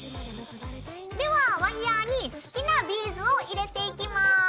ではワイヤーに好きなビーズを入れていきます。